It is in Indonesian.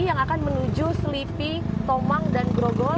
yang akan menuju selipi tomang dan grogol